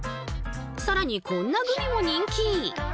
更にこんなグミも人気！